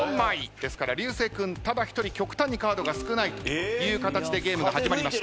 ですから流星君ただ一人極端にカードが少ないというかたちでゲームが始まりました。